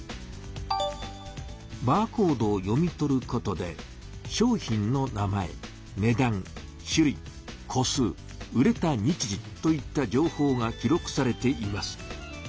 バーコードを読み取ることで「商品の名前値だん種類個数売れた日時」といった情報が記録されています。